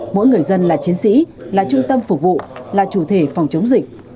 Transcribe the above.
mỗi người dân là chiến sĩ là trung tâm phục vụ là chủ thể phòng chống dịch